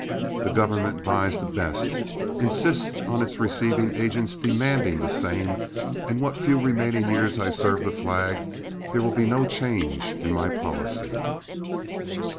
The government buys the best, insists on its receiving agents demanding the same, and what few remaining years I serve the flag, there will be no change in my policy."